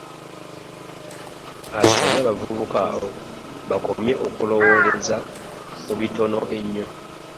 Asabye abavubuka bakomye okulowooleza mu bitono ennyo.